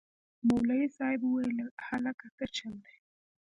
مولوي صاحب وويل هلکه سه چل دې.